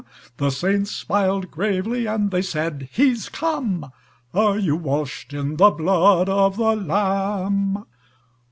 The Saints smiled gravely and they said: "He's come."(Are you washed in the blood of the Lamb?)